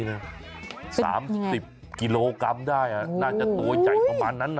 เป็นอย่างไรสามสิบกิโลกรัมได้น่าจะตัวใหญ่ประมาณนั้นน่ะ